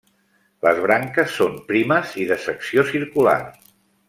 Les branques són primes i de secció circular.